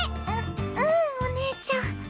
ううんお姉ちゃん。